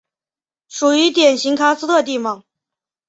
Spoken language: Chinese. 属于典型喀斯特地貌。